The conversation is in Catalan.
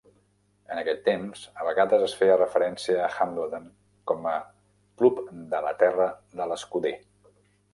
En aquest temps, a vegades es feia referencia a Hambledon com a "Club de la terra de l'escuder".